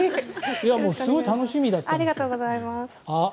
すごい楽しみだったんです。